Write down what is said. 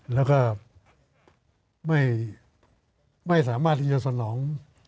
แล้วก็ไม่สามารถที่จะสนอง